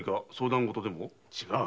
違う！